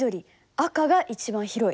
赤が一番広い。